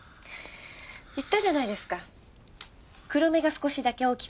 言ったじゃないですか黒目が少しだけ大きくなるって。